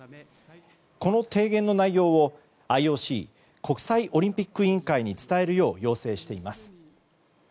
この提言の内容をＩＯＣ・国際オリンピック委員会に伝えるよう要請しています。